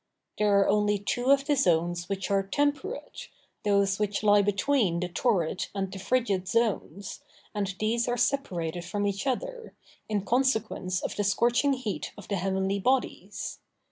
There are only two of the zones which are temperate, those which lie between the torrid and the frigid zones, and these are separated from each other, in consequence of the scorching heat of the heavenly bodies.